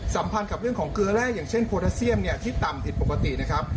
สัมผัสกับเรื่องของเกลือแร่อย่างเช่นโพลาเซียมเนี่ยที่ต่ำผิดปกตินะครับ